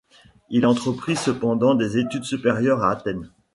Il entreprit cependant des études supérieures à Athènes.